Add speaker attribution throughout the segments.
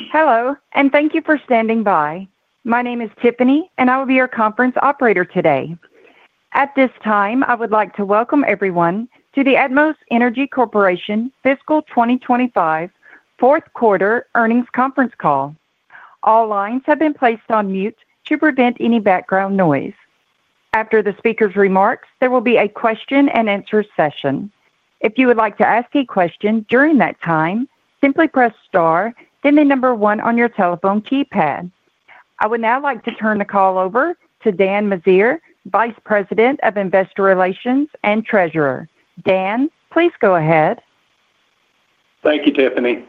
Speaker 1: Hello, and thank you for standing by. My name is Tiffany, and I will be your conference operator today. At this time, I would like to welcome everyone to the Atmos Energy Corporation fiscal 2025 Fourth Quarter Earnings Conference Call. All lines have been placed on mute to prevent any background noise. After the speaker's remarks, there will be a question-and-answer session. If you would like to ask a question during that time, simply press star, then the number one on your telephone keypad. I would now like to turn the call over to Dan Meziere, Vice President of Investor Relations and Treasurer. Dan, please go ahead.
Speaker 2: Thank you, Tiffany.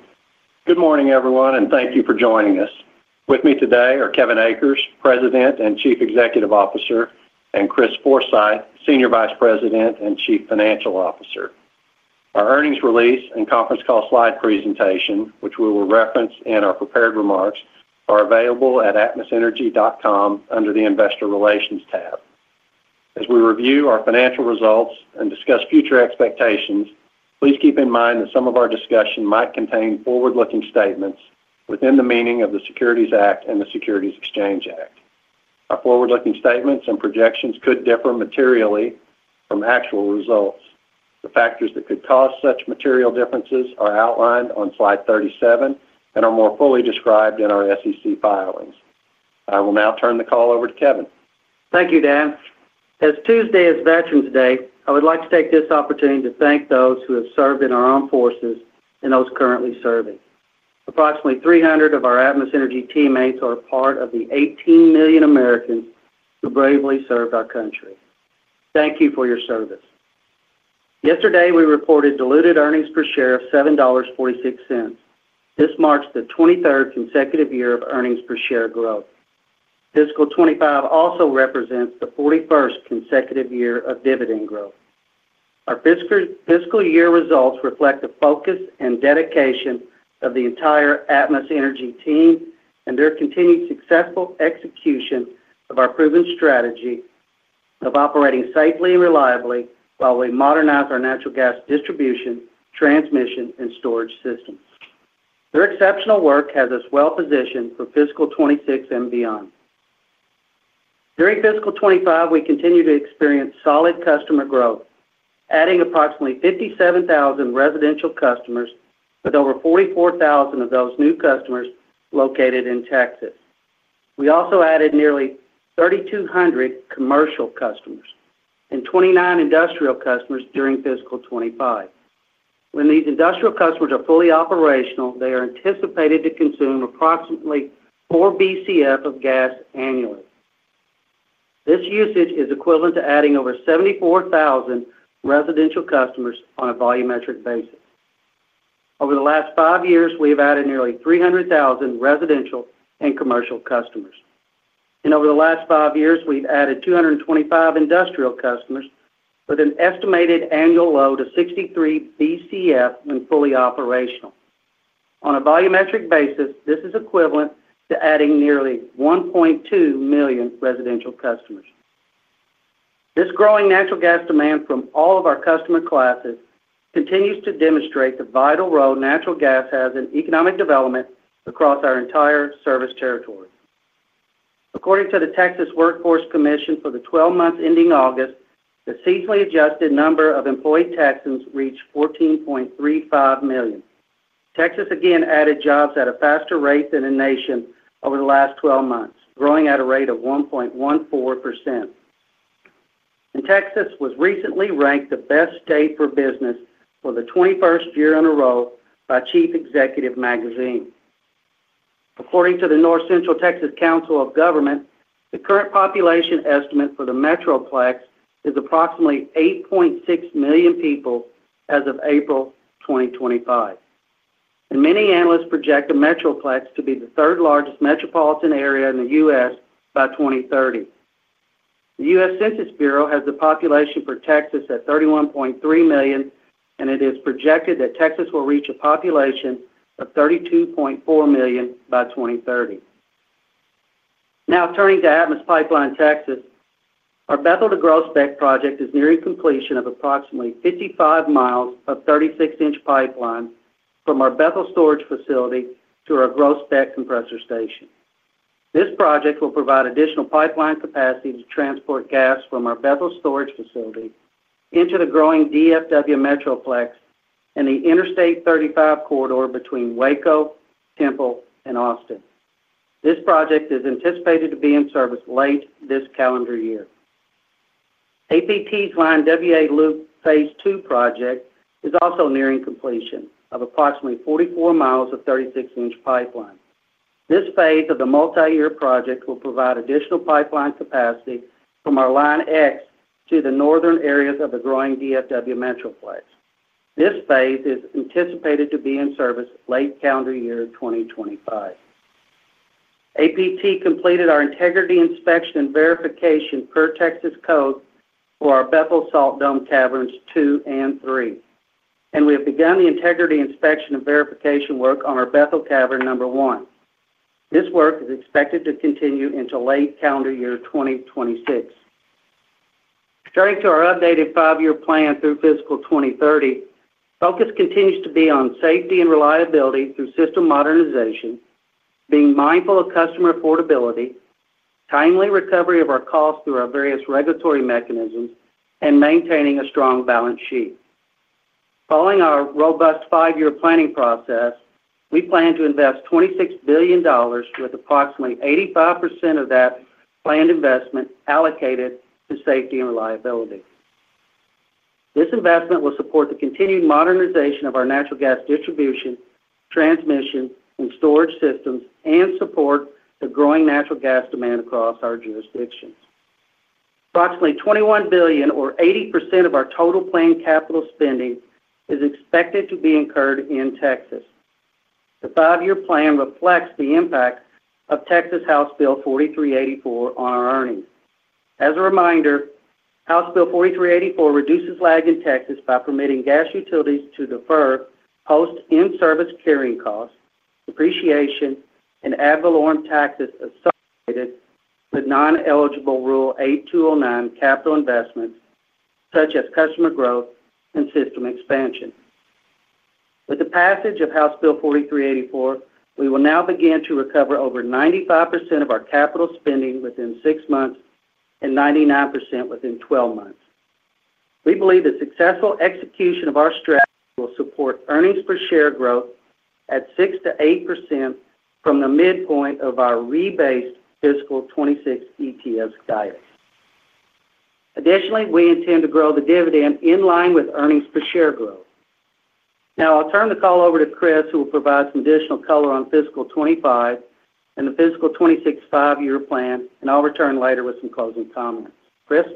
Speaker 2: Good morning, everyone, and thank you for joining us. With me today are Kevin Akers, President and Chief Executive Officer, and Chris Forsythe, Senior Vice President and Chief Financial Officer. Our earnings release and conference call slide presentation, which we will reference in our prepared remarks, are available at atmosenergy.com under the Investor Relations tab. As we review our financial results and discuss future expectations, please keep in mind that some of our discussion might contain forward-looking statements within the meaning of the Securities Act and the Securities Exchange Act. Our forward-looking statements and projections could differ materially from actual results. The factors that could cause such material differences are outlined on slide 37 and are more fully described in our SEC filings. I will now turn the call over to Kevin.
Speaker 3: Thank you, Dan. As Tuesday is Veterans Day, I would like to take this opportunity to thank those who have served in our armed forces and those currently serving. Approximately 300 of our Atmos Energy teammates are part of the 18 million Americans who bravely served our country. Thank you for your service. Yesterday, we reported diluted earnings per share of $7.46. This marks the 23rd consecutive year of earnings per share growth. fiscal 2025 also represents the 41st consecutive year of dividend growth. Our fiscal year results reflect the focus and dedication of the entire Atmos Energy team and their continued successful execution of our proven strategy of operating safely and reliably while we modernize our natural gas distribution, transmission, and storage systems. Their exceptional work has us well positioned for fiscal 2026 and beyond. During fiscal 2025, we continue to experience solid customer growth, adding approximately 57,000 residential customers, with over 44,000 of those new customers located in Texas. We also added nearly 3,200 commercial customers and 29 industrial customers during fiscal 2025. When these industrial customers are fully operational, they are anticipated to consume approximately 4 BCF of gas annually. This usage is equivalent to adding over 74,000 residential customers on a volumetric basis. Over the last five years, we have added nearly 300,000 residential and commercial customers. Over the last five years, we have added 225 industrial customers, with an estimated annual load of 63 BCF when fully operational. On a volumetric basis, this is equivalent to adding nearly 1.2 million residential customers. This growing natural gas demand from all of our customer classes continues to demonstrate the vital role natural gas has in economic development across our entire service territory. According to the Texas Workforce Commission for the 12 months ending August, the seasonally adjusted number of employed Texans reached 14.35 million. Texas again added jobs at a faster rate than the nation over the last 12 months, growing at a rate of 1.14%. Texas was recently ranked the best state for business for the 21st year in a row by Chief Executive Magazine. According to the North Central Texas Council of Governments, the current population estimate for the metroplex is approximately 8.6 million people as of April 2025. Many analysts project the metroplex to be the third largest metropolitan area in the U.S. by 2030. The U.S. Census Bureau has the population for Texas at 31.3 million, and it is projected that Texas will reach a population of 32.4 million by 2030. Now, turning to Atmos Pipeline Texas, our Bethel to Groesbeck project is nearing completion of approximately 55 mi of 36-inch pipeline from our Bethel storage facility to our Groesbeck compressor station. This project will provide additional pipeline capacity to transport gas from our Bethel storage facility into the growing DFW metroplex and the Interstate 35 corridor between Waco, Temple, and Austin. This project is anticipated to be in service late this calendar year. APT's Line WA Loop phase II project is also nearing completion of approximately 44 mi of 36-inch pipeline. This phase of the multi-year project will provide additional pipeline capacity from our Line X to the northern areas of the growing DFW metroplex. This phase is anticipated to be in service late calendar year 2025. APT completed our integrity inspection and verification per Texas code for our Bethel Salt Dome Caverns two and three, and we have begun the integrity inspection and verification work on our Bethel Cavern number one. This work is expected to continue into late calendar year 2026. Turning to our updated five-year plan through fiscal 2030, focus continues to be on safety and reliability through system modernization, being mindful of customer affordability, timely recovery of our costs through our various regulatory mechanisms, and maintaining a strong balance sheet. Following our robust five-year planning process, we plan to invest $26 billion, with approximately 85% of that planned investment allocated to safety and reliability. This investment will support the continued modernization of our natural gas distribution, transmission, and storage systems, and support the growing natural gas demand across our jurisdictions. Approximately $21 billion, or 80% of our total planned capital spending, is expected to be incurred in Texas. The five-year plan reflects the impact of Texas House Bill 4384 on our earnings. As a reminder, House Bill 4384 reduces lag in Texas by permitting gas utilities to defer post-in-service carrying costs, depreciation, and ad valorem taxes associated with non-eligible Rule 8209 capital investments, such as customer growth and system expansion. With the passage of House Bill 4384, we will now begin to recover over 95% of our capital spending within six months and 99% within 12 months. We believe that successful execution of our strategy will support earnings per share growth at 6%-8% from the midpoint of our rebased fiscal 2026 ETS guidance. Additionally, we intend to grow the dividend in line with earnings per share growth. Now, I'll turn the call over to Chris, who will provide some additional color on fiscal 2025 and the fiscal 2026 five-year plan, and I'll return later with some closing comments. Chris.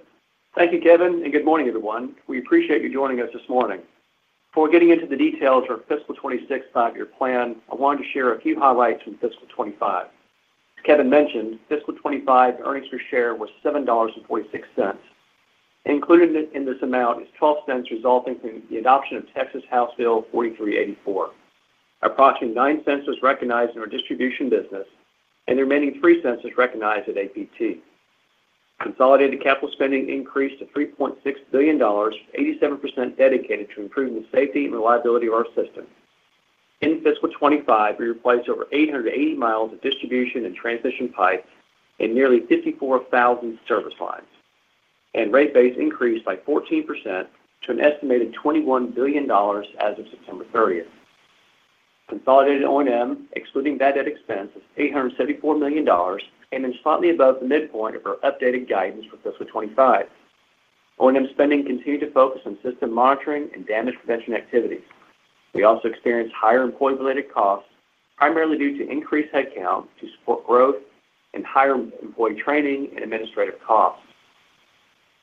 Speaker 4: Thank you, Kevin, and good morning, everyone. We appreciate you joining us this morning. Before getting into the details of our fiscal 2026 five-year plan, I wanted to share a few highlights from fiscal 2025. As Kevin mentioned, fiscal 2025 earnings per share was $7.46. Included in this amount is $0.12, resulting from the adoption of Texas House Bill 4384. Approximately $0.09 was recognized in our distribution business, and the remaining $0.03 was recognized at APT. Consolidated capital spending increased to $3.6 billion, with 87% dedicated to improving the safety and reliability of our system. In fiscal 2025, we replaced over 880 mi of distribution and transmission pipes and nearly 54,000 service lines, and rate base increased by 14% to an estimated $21 billion as of September 30th. Consolidated O&M, excluding VAT expense, is $874 million. That is slightly above the midpoint of our updated guidance for fiscal 2025. O&M spending continued to focus on system monitoring and damage prevention activities. We also experienced higher employee-related costs, primarily due to increased headcount to support growth and higher employee training and administrative costs.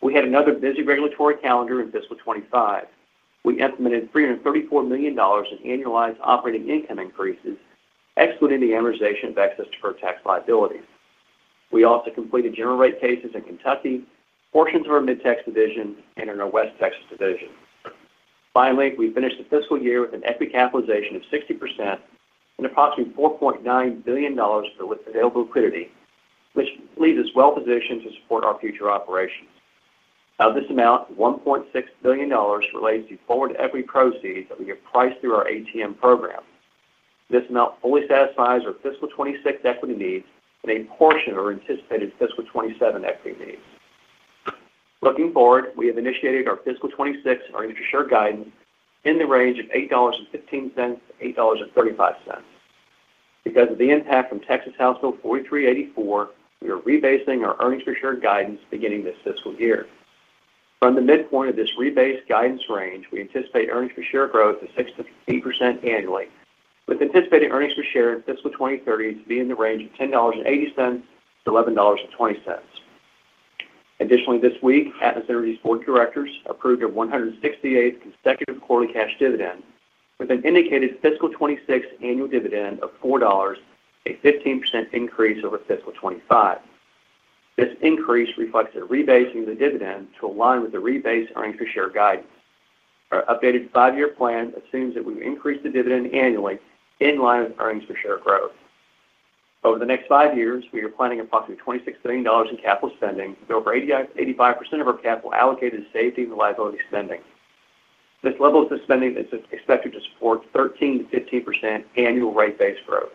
Speaker 4: We had another busy regulatory calendar in fiscal 2025. We implemented $334 million in annualized operating income increases, excluding the amortization of excess deferred tax liabilities. We also completed general rate cases in Kentucky, portions of our Mid-Texas division, and in our West Texas division. Finally, we finished the fiscal year with an equity capitalization of 60% and approximately $4.9 billion for available liquidity, which leaves us well positioned to support our future operations. Now, this amount, $1.6 billion, relates to forward equity proceeds that we have priced through our ATM program. This amount fully satisfies our fiscal 2026 equity needs and a portion of our anticipated fiscal 2027 equity needs. Looking forward, we have initiated our fiscal 2026 earnings per share guidance in the range of $8.15-$8.35. Because of the impact from Texas House Bill 4384, we are rebasing our earnings per share guidance beginning this fiscal year. From the midpoint of this rebase guidance range, we anticipate earnings per share growth of 6%-8% annually, with anticipated earnings per share in fiscal 2030 to be in the range of $10.80-$11.20. Additionally, this week, Atmos Energy's board of directors approved a 168th consecutive quarterly cash dividend, with an indicated fiscal 2026 annual dividend of $4.00, a 15% increase over fiscal 2025. This increase reflects the rebasing of the dividend to align with the rebase earnings per share guidance. Our updated five-year plan assumes that we've increased the dividend annually in line with earnings per share growth. Over the next five years, we are planning approximately $26 billion in capital spending, with over 85% of our capital allocated to safety and reliability spending. This level of spending is expected to support 13%-15% annual rate base growth.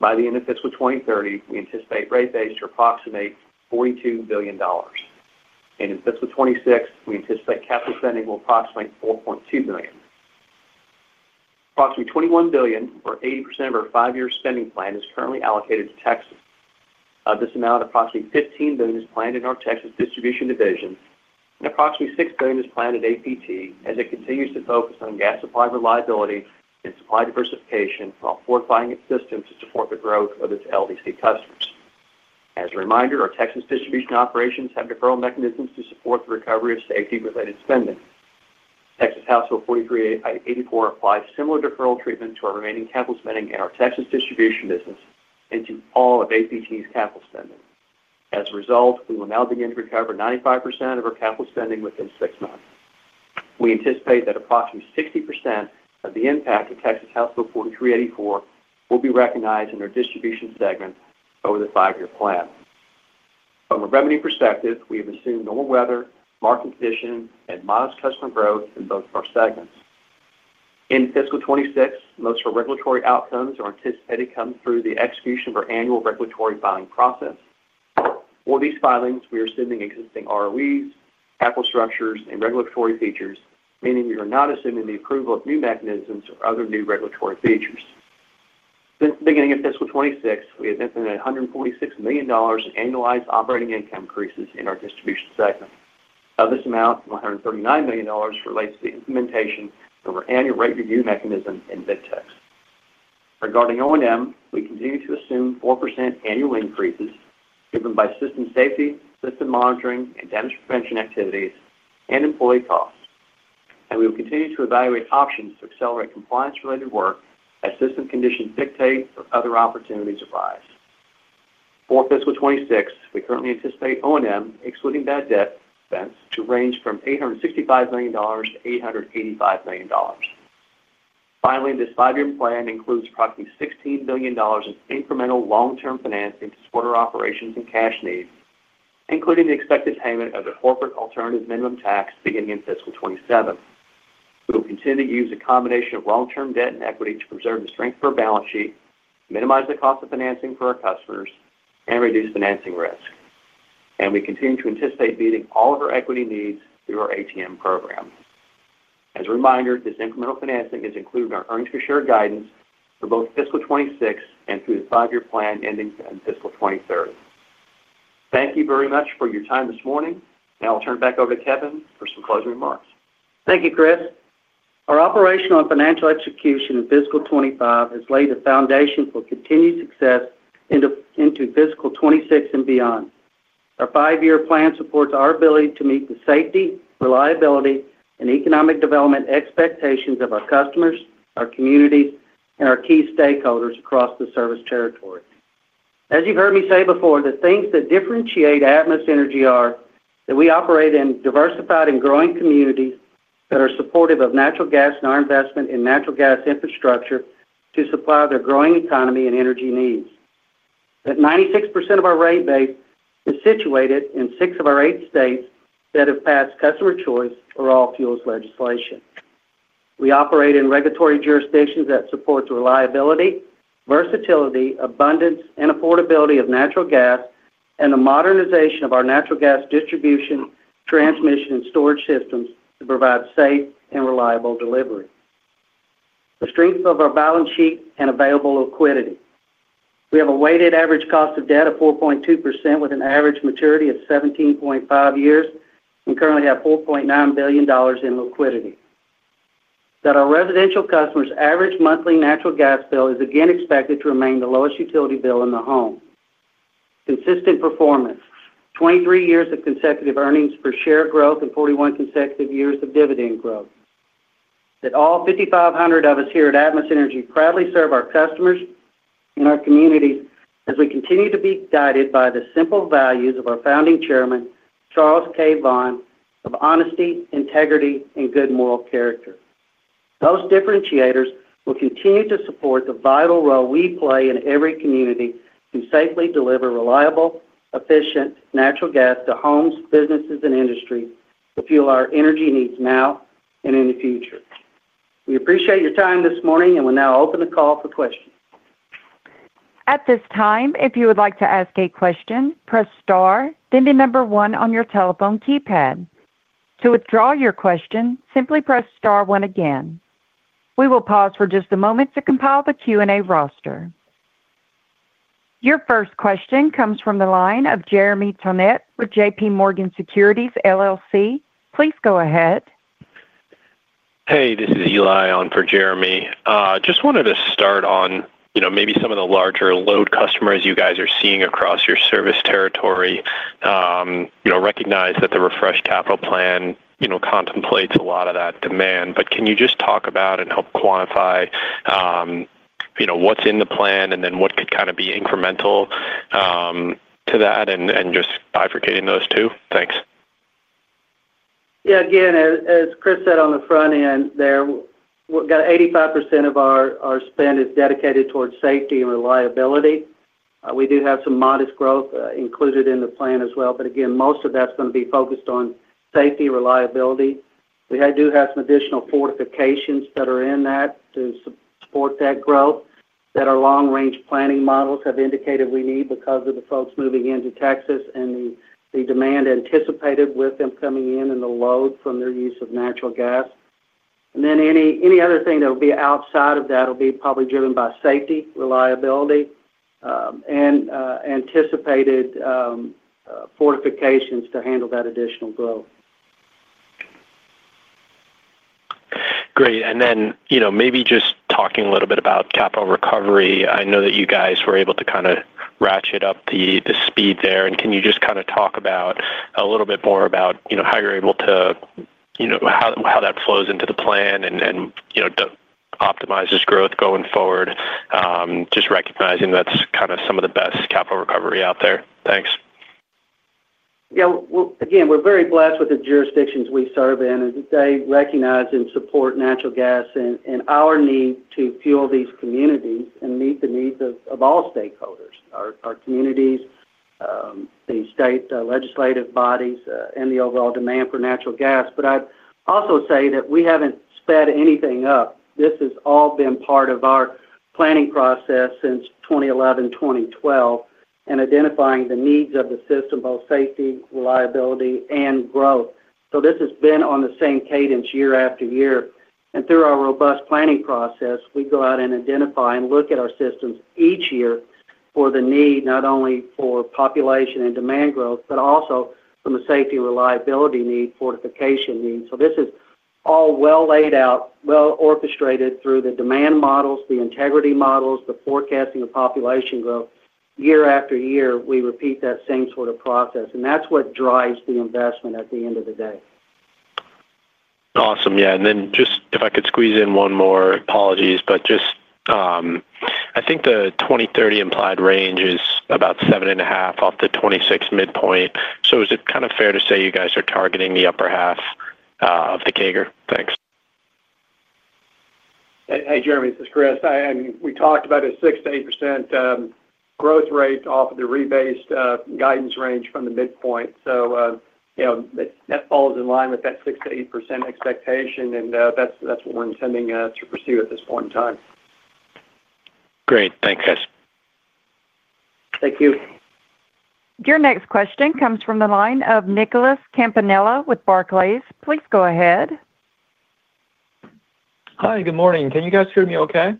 Speaker 4: By the end of fiscal 2030, we anticipate rate base to approximate $42 billion. In fiscal 2026, we anticipate capital spending will approximate $4.2 billion. Approximately $21 billion, or 80% of our five-year spending plan, is currently allocated to Texas. Of this amount, approximately $15 billion is planned in our Texas distribution division, and approximately $6 billion is planned at APT as it continues to focus on gas supply reliability and supply diversification while fortifying its system to support the growth of its LDC customers. As a reminder, our Texas distribution operations have deferral mechanisms to support the recovery of safety-related spending. Texas House Bill 4384 applies similar deferral treatment to our remaining capital spending in our Texas distribution business and to all of APT's capital spending. As a result, we will now begin to recover 95% of our capital spending within six months. We anticipate that approximately 60% of the impact of Texas House Bill 4384 will be recognized in our distribution segment over the five-year plan. From a revenue perspective, we have assumed normal weather, market condition, and modest customer growth in both of our segments. In fiscal 2026, most of our regulatory outcomes are anticipated to come through the execution of our annual regulatory filing process. For these filings, we are assuming existing ROEs, capital structures, and regulatory features, meaning we are not assuming the approval of new mechanisms or other new regulatory features. Since beginning of fiscal 2026, we have implemented $146 million in annualized operating income increases in our distribution segment. Of this amount, $139 million relates to the implementation of our annual rate review mechanism in Mid-Texas. Regarding O&M, we continue to assume 4% annual increases driven by system safety, system monitoring, and damage prevention activities, and employee costs. We will continue to evaluate options to accelerate compliance-related work as system conditions dictate or other opportunities arise. For fiscal 2026, we currently anticipate O&M, excluding VAT expense, to range from $865 million-$885 million. Finally, this five-year plan includes approximately $16 billion in incremental long-term financing to support our operations and cash needs, including the expected payment of the corporate alternative minimum tax beginning in fiscal 2027. We will continue to use a combination of long-term debt and equity to preserve the strength of our balance sheet, minimize the cost of financing for our customers, and reduce financing risk. We continue to anticipate meeting all of our equity needs through our ATM program. As a reminder, this incremental financing is included in our earnings per share guidance for both fiscal 2026 and through the five-year plan ending in fiscal 2030. Thank you very much for your time this morning. Now I'll turn it back over to Kevin for some closing remarks.
Speaker 3: Thank you, Chris. Our operational and financial execution in fiscal 2025 has laid the foundation for continued success into fiscal 2026 and beyond. Our five-year plan supports our ability to meet the safety, reliability, and economic development expectations of our customers, our communities, and our key stakeholders across the service territory. As you've heard me say before, the things that differentiate Atmos Energy are that we operate in diversified and growing communities that are supportive of natural gas and our investment in natural gas infrastructure to supply their growing economy and energy needs. That 96% of our rate base is situated in six of our eight states that have passed customer choice or all fuels legislation. We operate in regulatory jurisdictions that support the reliability, versatility, abundance, and affordability of natural gas and the modernization of our natural gas distribution, transmission, and storage systems to provide safe and reliable delivery. The strength of our balance sheet and available liquidity. We have a weighted average cost of debt of 4.2% with an average maturity of 17.5 years and currently have $4.9 billion in liquidity. That our residential customers' average monthly natural gas bill is again expected to remain the lowest utility bill in the home. Consistent performance, 23 years of consecutive earnings per share growth and 41 consecutive years of dividend growth. That all 5,500 of us here at Atmos Energy proudly serve our customers and our communities as we continue to be guided by the simple values of our founding chairman, Charles K. Vaughn, of honesty, integrity, and good moral character. Those differentiators will continue to support the vital role we play in every community to safely deliver reliable, efficient natural gas to homes, businesses, and industry to fuel our energy needs now and in the future. We appreciate your time this morning, and we now open the call for questions.
Speaker 1: At this time, if you would like to ask a question, press star then the number one on your telephone keypad. To withdraw your question, simply press star one again. We will pause for just a moment to compile the Q&A roster. Your first question comes from the line of Jeremy Tonet with JPMorgan Securities Llc. Please go ahead. Hey, this is Eli on for Jeremy. Just wanted to start on maybe some of the larger load customers you guys are seeing across your service territory. Recognize that the Refresh Capital plan contemplates a lot of that demand. Can you just talk about and help quantify what's in the plan and then what could kind of be incremental to that and just bifurcating those two? Thanks.
Speaker 3: Yeah, again, as Chris said on the front end there, we've got 85% of our spend is dedicated towards safety and reliability. We do have some modest growth included in the plan as well. Most of that's going to be focused on safety and reliability. We do have some additional fortifications that are in that to support that growth that our long-range planning models have indicated we need because of the folks moving into Texas and the demand anticipated with them coming in and the load from their use of natural gas. Any other thing that would be outside of that will be probably driven by safety, reliability, and anticipated fortifications to handle that additional growth. Great. Maybe just talking a little bit about capital recovery, I know that you guys were able to kind of ratchet up the speed there. Can you just kind of talk a little bit more about how you are able to, how that flows into the plan and optimizes growth going forward? Just recognizing that is kind of some of the best capital recovery out there. Thanks. Yeah. Again, we're very blessed with the jurisdictions we serve in and recognize and support natural gas and our need to fuel these communities and meet the needs of all stakeholders: our communities, the state legislative bodies, and the overall demand for natural gas. I'd also say that we haven't sped anything up. This has all been part of our planning process since 2011, 2012, and identifying the needs of the system, both safety, reliability, and growth. This has been on the same cadence year after year. Through our robust planning process, we go out and identify and look at our systems each year for the need, not only for population and demand growth, but also from a safety and reliability need, fortification need. This is all well laid out, well orchestrated through the demand models, the integrity models, the forecasting of population growth. Year after year, we repeat that same sort of process. That is what drives the investment at the end of the day. Awesome. Yeah. And then just if I could squeeze in one more, apologies, but just. I think the 2030 implied range is about seven and a half off the 26 midpoint. So is it kind of fair to say you guys are targeting the upper half of the CAGR? Thanks.
Speaker 4: Hey, Jeremy, this is Chris. I mean, we talked about a 6%-8% growth rate off of the rebase guidance range from the midpoint. That falls in line with that 6%-8% expectation. That's what we're intending to pursue at this point in time. Great. Thanks, guys. Thank you.
Speaker 1: Your next question comes from the line of Nicholas Campanella with Barclays. Please go ahead. Hi, good morning. Can you guys hear me okay?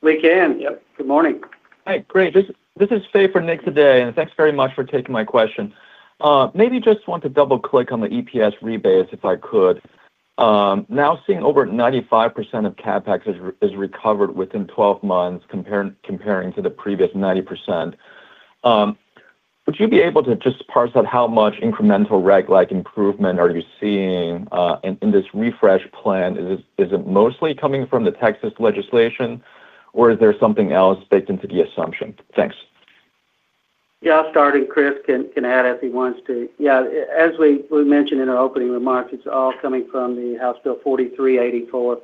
Speaker 4: We can. Yep. Good morning. Hey, great. This is Fei for Nick today. And thanks very much for taking my question. Maybe just want to double-click on the EPS rebase if I could. Now seeing over 95% of CapEx is recovered within 12 months comparing to the previous 90%. Would you be able to just parse out how much incremental reg-like improvement are you seeing in this Refresh plan? Is it mostly coming from the Texas legislation, or is there something else baked into the assumption? Thanks.
Speaker 3: Yeah, I'll start and Chris can add as he wants to. Yeah. As we mentioned in our opening remarks, it's all coming from the House Bill 4384.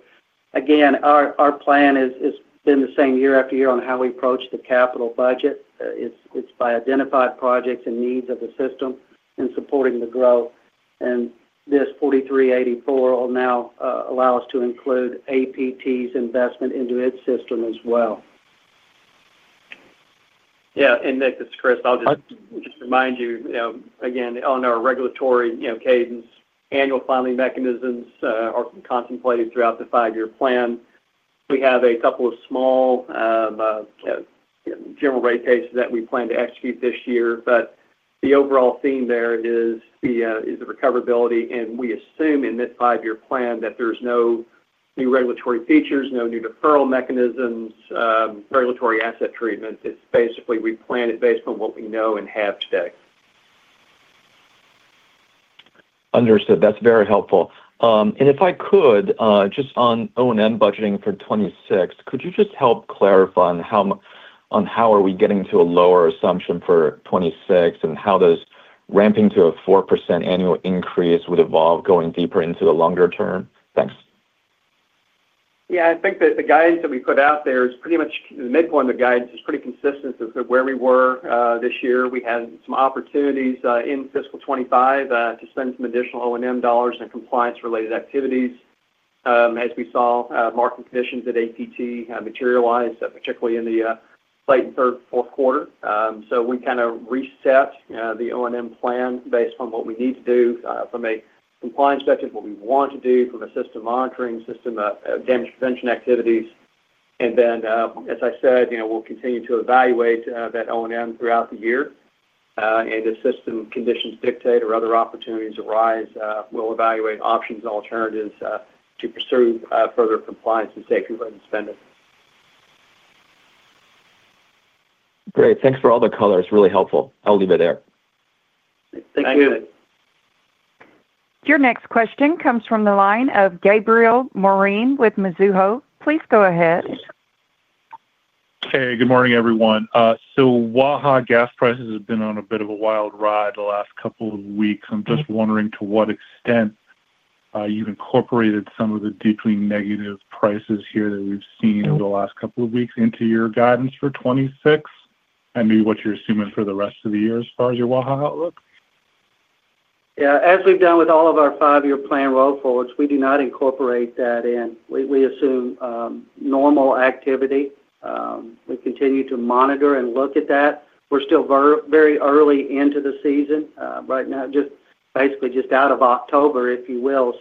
Speaker 3: Again, our plan has been the same year after year on how we approach the capital budget. It's by identified projects and needs of the system and supporting the growth. This 4384 will now allow us to include APT's investment into its system as well.
Speaker 4: Yeah. Nick, this is Chris. I'll just remind you, again, on our regulatory cadence, annual filing mechanisms are contemplated throughout the five-year plan. We have a couple of small general rate cases that we plan to execute this year. The overall theme there is the recoverability. We assume in this five-year plan that there's no new regulatory features, no new deferral mechanisms, regulatory asset treatment. Basically, we plan it based on what we know and have. State. Understood. That's very helpful. If I could, just on O&M budgeting for 2026, could you just help clarify on how are we getting to a lower assumption for 2026 and how does ramping to a 4% annual increase would evolve going deeper into the longer term? Thanks. Yeah. I think that the guidance that we put out there is pretty much the midpoint of the guidance, is pretty consistent with where we were this year. We had some opportunities in fiscal 2025 to spend some additional O&M dollars and compliance-related activities. As we saw, market conditions at APT materialized, particularly in the second, third, and fourth quarter. We kind of reset the O&M plan based on what we need to do from a compliance budget, what we want to do from a system monitoring, system damage prevention activities. As I said, we'll continue to evaluate that O&M throughout the year. If system conditions dictate or other opportunities arise, we'll evaluate options and alternatives to pursue further compliance and safety-related spending. Great. Thanks for all the color. Really helpful. I'll leave it there. Thank you.
Speaker 1: Your next question comes from the line of Gabriel Moreen with Mizuho. Please go ahead.
Speaker 5: Hey, good morning, everyone. Waha gas prices have been on a bit of a wild ride the last couple of weeks. I'm just wondering to what extent you've incorporated some of the deeply negative prices here that we've seen over the last couple of weeks into your guidance for 2026 and maybe what you're assuming for the rest of the year as far as your Waha outlook?
Speaker 3: Yeah. As we've done with all of our five-year plan roll forwards, we do not incorporate that in. We assume normal activity. We continue to monitor and look at that. We're still very early into the season right now, just basically just out of October, if you will.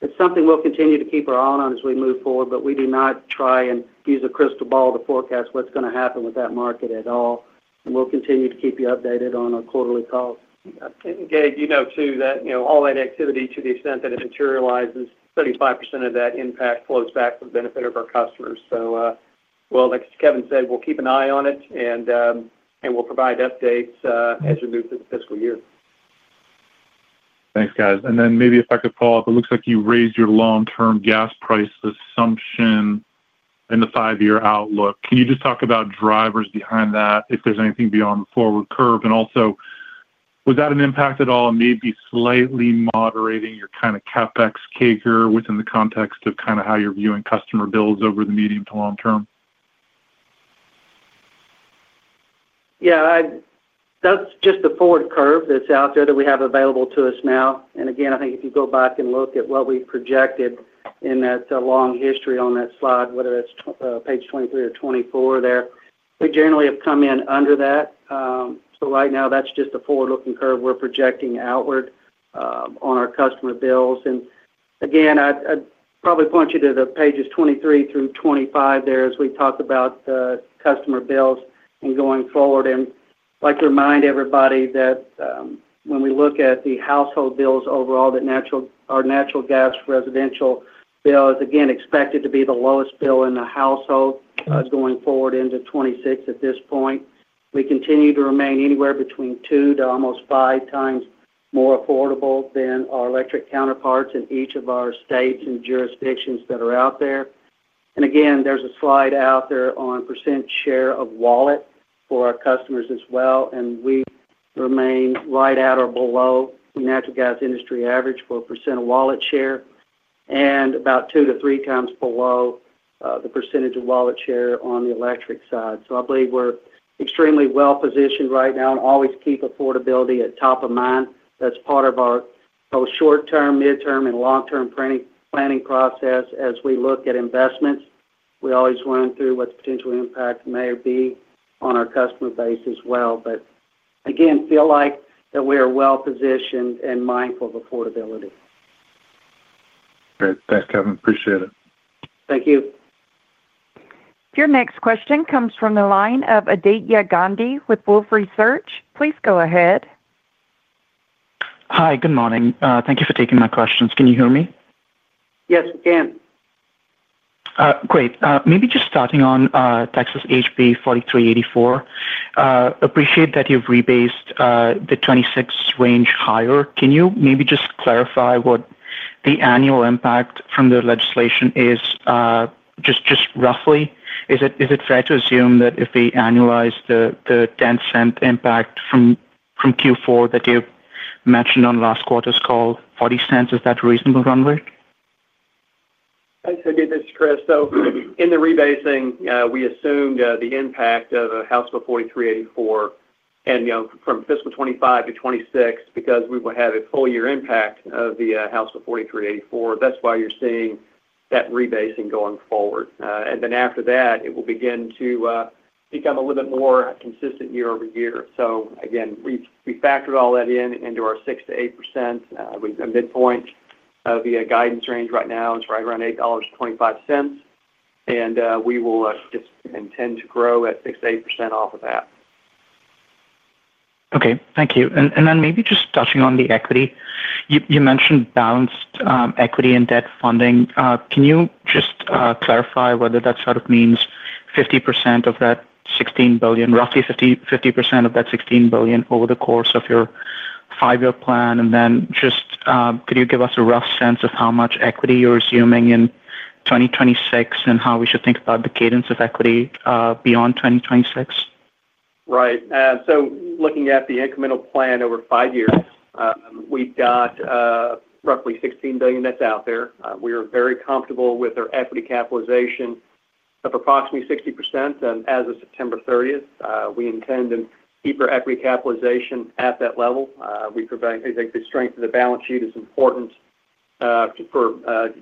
Speaker 3: It is something we'll continue to keep our eye on as we move forward, but we do not try and use a crystal ball to forecast what's going to happen with that market at all. We will continue to keep you updated on our quarterly calls.
Speaker 4: Gabe, you know too that all that activity, to the extent that it materializes, 35% of that impact flows back for the benefit of our customers. Like Kevin said, we'll keep an eye on it, and we'll provide updates as we move through the fiscal year.
Speaker 5: Thanks, guys. Maybe if I could follow up, it looks like you raised your long-term gas price assumption in the five-year outlook. Can you just talk about drivers behind that, if there's anything beyond the forward curve? Also, was that an impact at all and maybe slightly moderating your kind of CapEx CAGR within the context of kind of how you're viewing customer builds over the medium to long term?
Speaker 3: Yeah. That is just the forward curve that is out there that we have available to us now. Again, I think if you go back and look at what we have projected in that long history on that slide, whether that is page 23 or 24 there, we generally have come in under that. Right now, that is just a forward-looking curve we are projecting outward on our customer bills. Again, I would probably point you to the pages 23 through 25 there as we talk about the customer bills and going forward. I would like to remind everybody that when we look at the household bills overall, our natural gas residential bill is, again, expected to be the lowest bill in the household going forward into 2026 at this point. We continue to remain anywhere between two to almost five times more affordable than our electric counterparts in each of our states and jurisdictions that are out there. Again, there's a slide out there on percent share of wallet for our customers as well. We remain right at or below the natural gas industry average for a percent of wallet share and about two to three times below the percent of wallet share on the electric side. I believe we're extremely well-positioned right now and always keep affordability at top of mind. That's part of our both short-term, midterm, and long-term planning process. As we look at investments, we always run through what the potential impact may be on our customer base as well. Again, I feel like we are well-positioned and mindful of affordability. Great. Thanks, Kevin. Appreciate it. Thank you.
Speaker 1: Your next question comes from the line of Aditya Gandhi with Wolf Research. Please go ahead.
Speaker 6: Hi, good morning. Thank you for taking my questions. Can you hear me?
Speaker 3: Yes, we can.
Speaker 6: Great. Maybe just starting on Texas HB 4384. Appreciate that you've rebased the 2026 range higher. Can you maybe just clarify what the annual impact from the legislation is? Just roughly? Is it fair to assume that if we annualize the $0.10 impact from Q4 that you mentioned on last quarter's call, $0.40, is that a reasonable runway?
Speaker 4: Thanks, Aditya and Chris. In the rebasing, we assumed the impact of House Bill 4384 and from fiscal 2025 to 2026 because we would have a full-year impact of House Bill 4384. That is why you are seeing that rebasing going forward. After that, it will begin to become a little bit more consistent year over year. Again, we factored all that into our 6%-8%. We have got a midpoint. The guidance range right now is right around $8.25. We will just intend to grow at 6%-8% off of that.
Speaker 6: Okay. Thank you. Maybe just touching on the equity. You mentioned balanced equity and debt funding. Can you just clarify whether that sort of means 50% of that $16 billion, roughly 50% of that $16 billion over the course of your five-year plan? Could you give us a rough sense of how much equity you're assuming in 2026 and how we should think about the cadence of equity beyond 2026?
Speaker 4: Right. So looking at the incremental plan over five years, we've got roughly $16 billion that's out there. We are very comfortable with our equity capitalization of approximately 60%. As of September 30, we intend to keep our equity capitalization at that level. I think the strength of the balance sheet is important for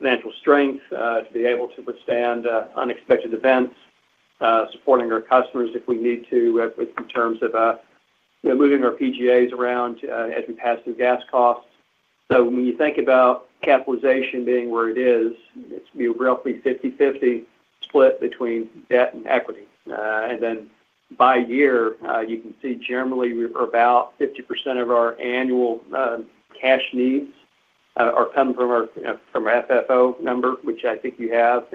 Speaker 4: financial strength to be able to withstand unexpected events, supporting our customers if we need to in terms of moving our PGAs around as we pass through gas costs. When you think about capitalization being where it is, it's roughly a 50/50 split between debt and equity. By year, you can see generally we're about 50% of our annual cash needs are coming from our FFO number, which I think you have.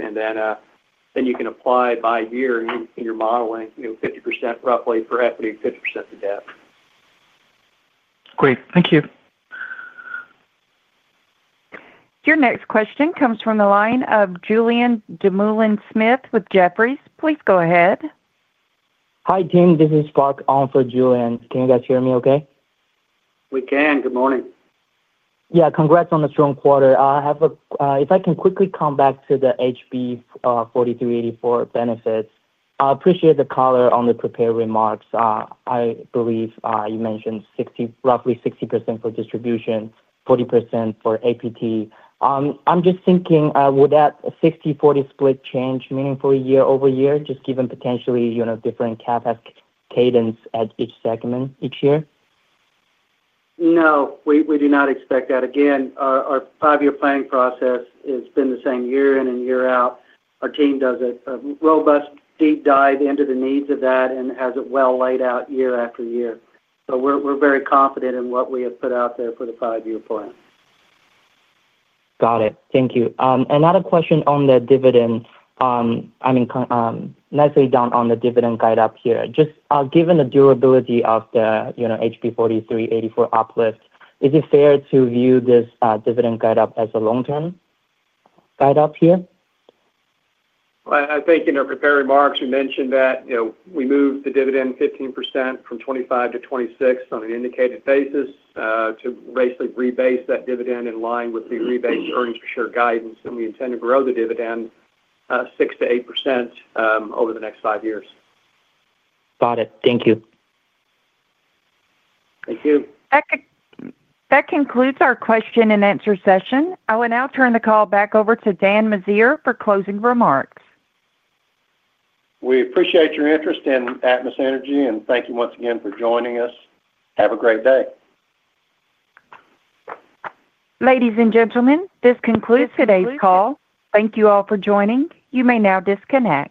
Speaker 4: You can apply by year in your modeling 50% roughly for equity, 50% for debt.
Speaker 6: Great. Thank you.
Speaker 1: Your next question comes from the line of Julian Demoulin-Smith with Jefferies. Please go ahead. Hi, team. This is Clark Allen for Julian. Can you guys hear me okay?
Speaker 4: We can. Good morning. Yeah. Congrats on the strong quarter. If I can quickly come back to the HB 4384 benefits, I appreciate the color on the prepared remarks. I believe you mentioned roughly 60% for distribution, 40% for APT. I'm just thinking, would that 60/40 split change meaningfully year over year, just given potentially different CapEx cadence at each segment each year?
Speaker 3: No. We do not expect that. Again, our five-year planning process has been the same year in and year out. Our team does a robust deep dive into the needs of that and has it well laid out year after year. We are very confident in what we have put out there for the five-year plan. Got it. Thank you. Another question on the dividend. I mean, nesting down on the dividend guide up here. Just given the durability of the HB 4384 uplift, is it fair to view this dividend guide up as a long-term guide up here?
Speaker 4: I think in our prepared remarks, we mentioned that we moved the dividend 15% from $2.50-$2.60 on an indicated basis to basically rebase that dividend in line with the rebase earnings per share guidance. We intend to grow the dividend 6%-8% over the next five years. Got it. Thank you. Thank you.
Speaker 1: That concludes our question and answer session. I will now turn the call back over to Dan Meziere for closing remarks.
Speaker 2: We appreciate your interest in Atmos Energy. Thank you once again for joining us. Have a great day.
Speaker 1: Ladies and gentlemen, this concludes today's call. Thank you all for joining. You may now disconnect.